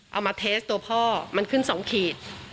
เอามาเทสตัวพ่อมันขึ้น๒ขีด